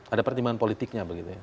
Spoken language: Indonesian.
ada pertimbangan politiknya begitu ya